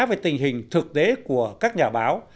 về tình hình thực tế của các nhà báo